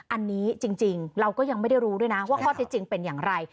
อันนี้จริงเราก็ยังไม่ได้รู้ด้วยนะว่าข้อเท็จจริงเป็นอย่างไร